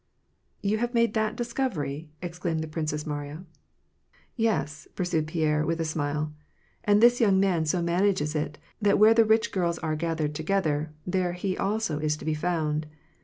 " You have made that discovery ?" exclaimed the Prinoess Mariya. " Yes," pursued Pierre, with a smile ;" and this young man so manages it that where the rich girls are gathered together, there he also is to be found